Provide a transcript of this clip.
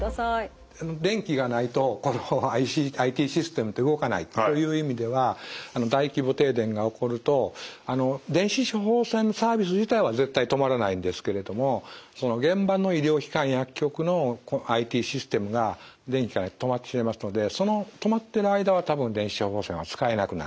電気がないとこのＩＴシステムって動かないという意味では大規模停電が起こると電子処方箋サービス自体は絶対止まらないんですけれども現場の医療機関薬局のＩＴシステムが電気が止まってしまいますのでその止まってる間は多分電子処方箋は使えなくなると思います。